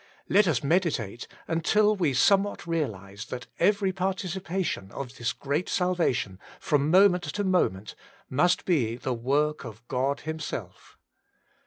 Let ua meditate until we somewhat realise that every participation of this great salvation, from moment to moment, must be the work of God Himself.